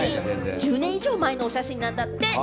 １０年以上前のお写真なんだって！